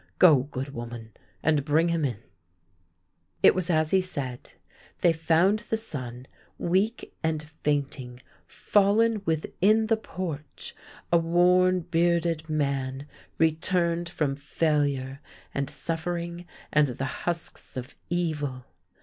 Go, good woman, and bring him in." It was as he said. They found the son weak and fainting, fallen within the porch — a worn, bearded man, returned from failure and suffering and the husks of evil.